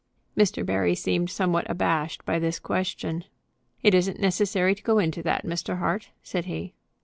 Mr. Barry seemed somewhat abashed by this question. "It isn't necessary to go into that, Mr. Hart," said he.